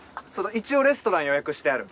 一応レストラン予約してある。